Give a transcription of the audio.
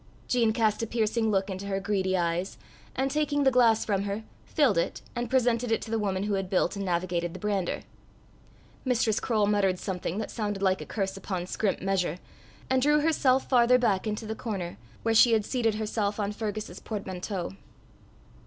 Jean cast a piercing look into her greedy eyes, and taking the glass from her, filled it, and presented it to the woman who had built and navigated the brander. Mistress Croale muttered something that sounded like a curse upon scrimp measure, and drew herself farther back into the corner, where she had seated herself on Fergus's portmanteau.